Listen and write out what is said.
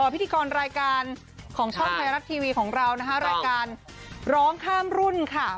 พิธีกรรายการของช่องไทยรัฐทีวีของเรานะคะรายการร้องข้ามรุ่นค่ะ